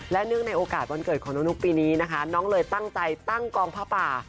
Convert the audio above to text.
และเนื่องในโอกาสวันเกิดของน้องนุ๊กปีนี้นะคะน้องเลยตั้งใจตั้งกองผ้าป่า